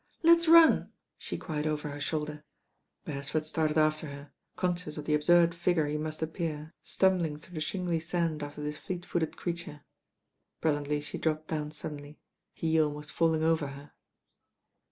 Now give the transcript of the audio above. "Let's run," she cried over her shoulder. Beresford started after her, conscious of the absurd figure he must appear stumbling through the shingly sand after this fleet footed creature. Presently she dropped down suddenly, he almost falling over her.